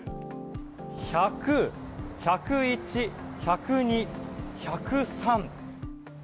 １００、１０１、１０２１０３。